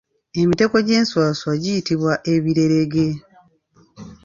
Emitego gy’enswaswa giyitibwa Ebirerege.